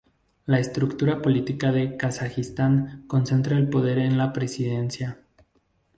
La estructura política de Kazajistán concentra el poder en la presidencia.